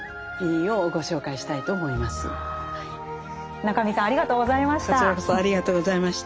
中見さんありがとうございました。